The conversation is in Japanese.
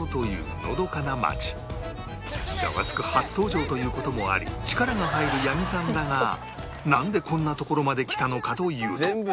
『ザワつく！』初登場という事もあり力が入る八木さんだがなんでこんな所まで来たのかというと